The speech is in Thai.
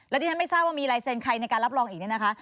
และดิฉันไม่เศร้าว่ามีรายเซ็นใครในการรับรองอีกนะคะ